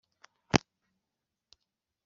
Ma kuri iyo capati